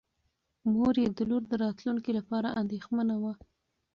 مور یې د لور د راتلونکي لپاره اندېښمنه وه.